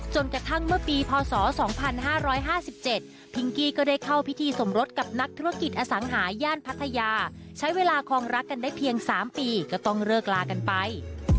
กระทั่งเมื่อปีพศ๒๕๕๗พิงกี้ก็ได้เข้าพิธีสมรสกับนักธุรกิจอสังหาร่านพัทยาใช้เวลาคลองรักกันได้เพียง๓ปีก็ต้องเลิกลากันไป